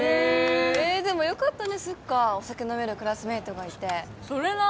えでもよかったねスッカお酒飲めるクラスメイトがいてそれな！